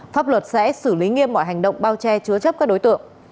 pháp luật sẽ xử lý nghiêm mọi hành động bao che chứa chấp các đối tượng